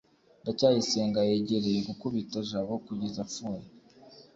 ndacyayisenga yegereye gukubita jabo kugeza apfuye